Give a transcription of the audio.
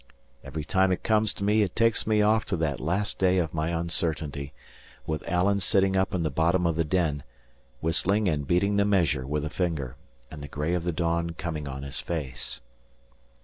Every time it comes to me, it takes me off to that last day of my uncertainty, with Alan sitting up in the bottom of the den, whistling and beating the measure with a finger, and the grey of the dawn coming on his face.